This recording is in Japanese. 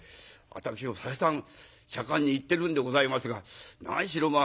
私も再三左官に言ってるんでございますが何しろ